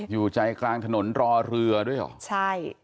อยู่ใจกลางถนนรอเรือด้วยเหรอใช่